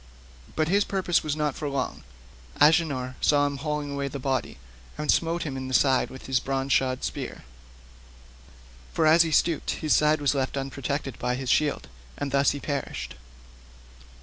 But his purpose was not for long; Agenor saw him haling the body away, and smote him in the side with his bronze shod spear—for as he stooped his side was left unprotected by his shield—and thus he perished.